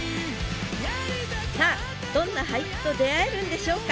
さあどんな俳句と出会えるんでしょうか？